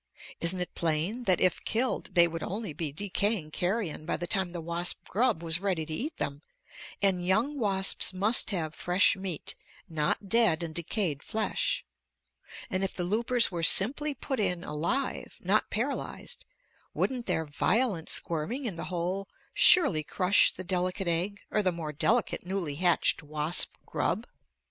Isn't it plain that if killed they would only be decaying carrion by the time the wasp grub was ready to eat them, and young wasps must have fresh meat, not dead and decayed flesh. And if the loopers were simply put in alive, not paralyzed, wouldn't their violent squirming in the hole surely crush the delicate egg or the more delicate newly hatched wasp grub?